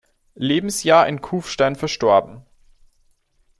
Lebensjahr in Kufstein verstorben.